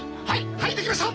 はいできました！